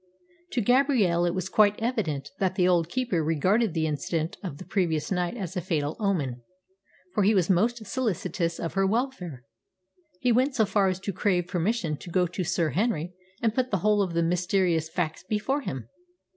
To Gabrielle it was quite evident that the old keeper regarded the incident of the previous night as a fatal omen, for he was most solicitous of her welfare. He went so far as to crave permission to go to Sir Henry and put the whole of the mysterious facts before him.